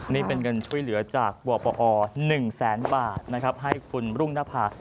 นี่เป็นเงินช่วยเหลือจากวปอ๑แสนบาทนะครับให้คุณรุ่งนภา